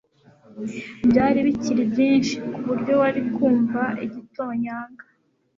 Byari bikiri byinshi kuburyo wari kumva igitonyanga